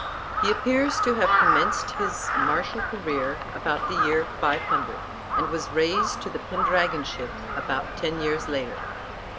He appears to have commenced his martial career about the year 500, and was raised to the Pendragonship about ten years later.